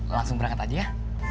langsung berangkat aja ya